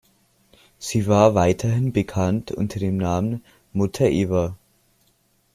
Sie war weithin bekannt unter dem Namen „Mutter Eva“.